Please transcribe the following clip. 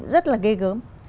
rất là ghê gớm